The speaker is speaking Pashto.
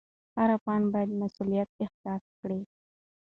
هر افغان باید مسوولیت احساس کړي.